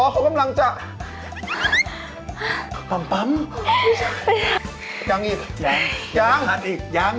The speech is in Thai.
ข้าว่าสิ่งสักติดไม่ให้แต่พี่แอ๊ว